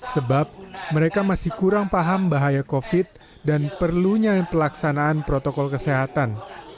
sebab mereka masih kurang paham bahaya covid dan perlunya pelaksanaan protokol kesehatan